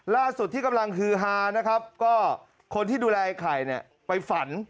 ที่กำลังฮือฮานะครับก็คนที่ดูแลไอ้ไข่เนี่ยไปฝัน